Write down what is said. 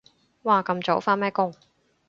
哇咁早？返咩工？